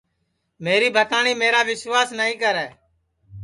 میری بھتاٹؔی میرا وسواس نائی کرے